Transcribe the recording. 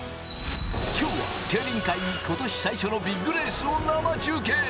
今日は競輪界に今年最初のビッグレースを生中継。